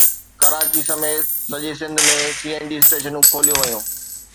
ڪراچي سميت سڄي Sindh ۾ C N G اسٽيشنون کوليون ويون